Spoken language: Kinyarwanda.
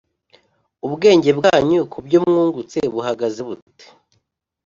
ubwenge bwanyu ku byo mwungutse buhagaze bute